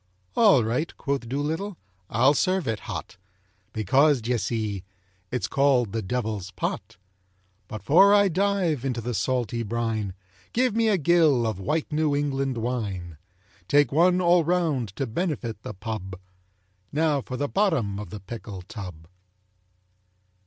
"All right," quoth Doolittle, "I'll serve it hot, Because, d'ye see, it's called The Devil's Pot. But 'fore I dive into the salty brine, Give me a gill of white New England wine! Take one all round to benefit the pub. Now for the bottom of the pickle tub."